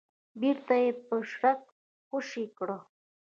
بېرته يې په شړک خوشې کړه.